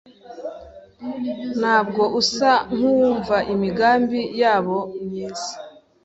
Ntabwo usa nkuwumva imigambi yabo myiza.